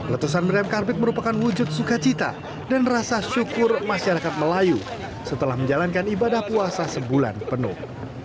letusan meriam karbit merupakan wujud sukacita dan rasa syukur masyarakat melayu setelah menjalankan ibadah puasa sebulan penuh